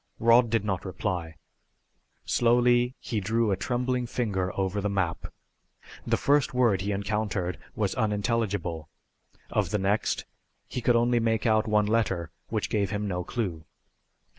Rod did not reply. Slowly he drew a trembling finger over the map. The first word he encountered was unintelligible. Of the next he could only make out one letter, which gave him no clue.